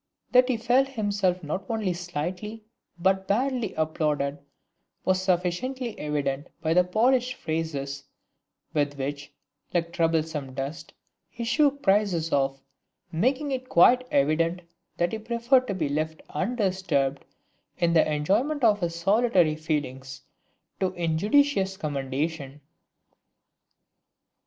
That he felt himself not only slightly, but badly applauded, was sufficiently evident by the polished phrases with which, like troublesome dust, he shook such praises off, making it quite evident that he preferred to be left undisturbed in the enjoyment of his solitary feelings to injudicious commendation.